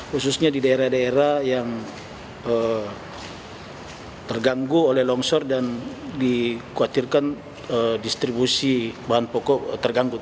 khususnya di daerah daerah yang terganggu oleh longsor dan dikhawatirkan distribusi bahan pokok terganggu